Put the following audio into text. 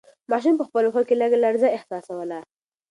ماشوم په خپلو پښو کې لږه لړزه احساسوله.